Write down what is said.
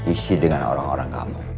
isi dengan orang orang kamu